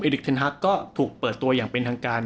ลิกเทนฮักก็ถูกเปิดตัวอย่างเป็นทางการ